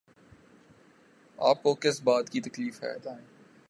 آپ کو کس بات کی تکلیف ہے؟